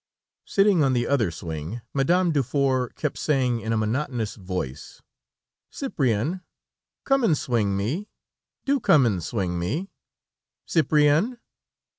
Sitting in the other swing, Madame Dufour kept saying in a monotonous voice: "Cyprian, come and swing me; do come and swing me, Cyprian!"